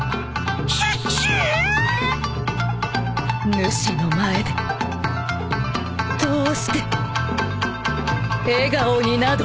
ぬしの前でどうして笑顔になど。